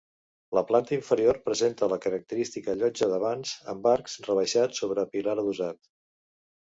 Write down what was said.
La planta inferior presenta la característica llotja de vans amb arcs rebaixats sobre pilar adossat.